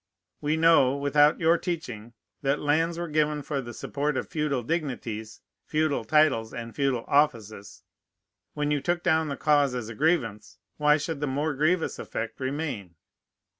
We know, without your teaching, that lands were given for the support of feudal dignities, feudal titles, and feudal offices. When you took down the cause as a grievance, why should the more grievous effect remain?